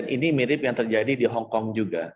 ini mirip yang terjadi di hongkong juga